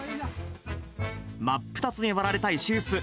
真っ二つに割られた石うす。